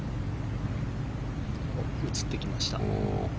映ってきました。